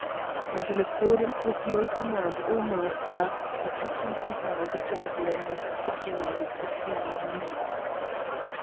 "And in accordance with your command, O Master! I teach him to hurl the javelin and to drive a team."